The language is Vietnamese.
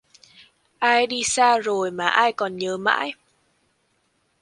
Ai xa rồi mà ai còn nhớ mãi